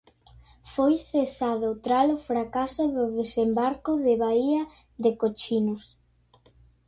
Foi cesado tralo fracaso do desembarco de baía de Cochinos.